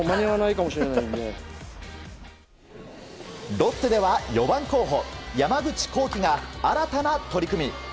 ロッテでは、４番候補山口航輝が新たな取り組み。